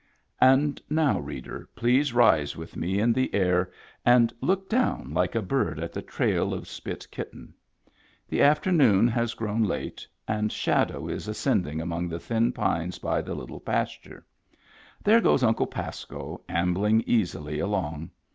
And now, reader, please rise with me in the air and look down like a bird at the trail of Spit Kitten. The afternoon has grown late, and shadow is ascending among the thin pines by the Little Pasture. There goes Uncle Pasco, am bling easily along.